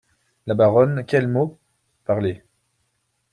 La Baronne Quel mot ? parlez…